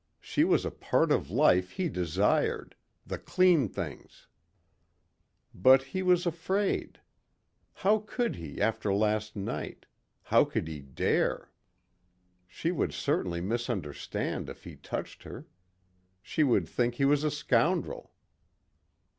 She was a part of life he desired the clean things. But he was afraid. How could he after last night, how could he dare? She would certainly misunderstand if he touched her. She would think he was a scoundrel.